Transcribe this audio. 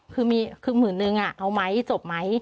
คือมีคือหมื่นนึงเอาไหมจบไหม